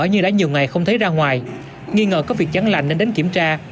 như đã nhiều ngày không thấy ra ngoài nghi ngờ có việc chắn lành nên đến kiểm tra